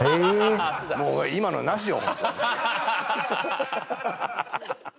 もう今のナシよ